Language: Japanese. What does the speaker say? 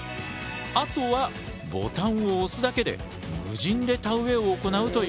あとはボタンを押すだけで無人で田植えを行うという仕組みだ。